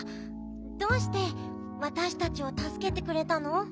どうしてわたしたちをたすけてくれたの？